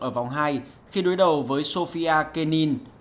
ở vòng hai khi đối đầu với sofia kenin